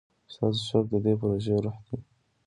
ستاسو شوق د دې پروژې روح دی.